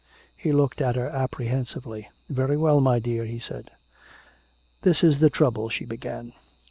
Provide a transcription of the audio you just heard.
He looked at her apprehensively. "Very well, my dear," he said. "This is the trouble," she began.